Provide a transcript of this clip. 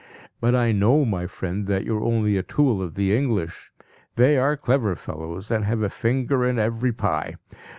But I know, my friend, that you are only a tool of the English. They are clever fellows, and have a finger in every pie.